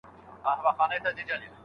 آیا موټر سرعت تر بایسکل سرعت زیات دی؟